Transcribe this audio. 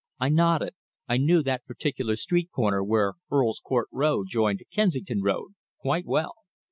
I nodded. I knew that particular street corner where Earl's Court Road joined Kensington Road quite well.